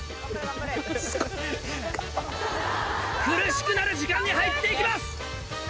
すごい！苦しくなる時間に入って行きます。